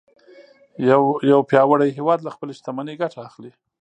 یو پیاوړی هیواد له خپلې شتمنۍ ګټه اخلي